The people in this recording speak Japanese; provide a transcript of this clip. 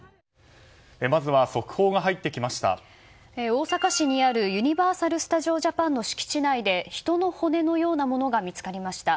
大阪市にあるユニバーサル・スタジオ・ジャパンの敷地内で人の骨のようなものが見つかりました。